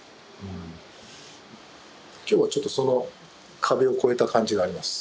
今日はちょっとその壁をこえた感じがあります。